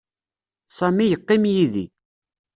Sami yeqqim yid-i.